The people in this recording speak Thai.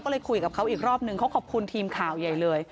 ก็เลยคุยกับเขาอีกรอบนึงเขาขอบคุณทีมข่าวใหญ่เลย